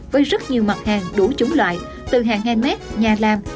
với rất nhiều mặt hàng đủ chúng loại từ hàng handmade nhà làm